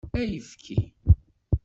Ayefki.